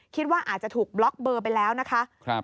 คิดว่าอาจจะถูกบล็อกเบอร์ไปแล้วนะคะ